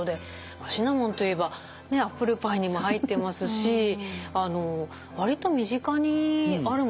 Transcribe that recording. シナモンといえばアップルパイにも入ってますしわりと身近にあるものですよね。